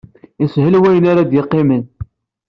Yeshel wayen ara ad yeqqimen.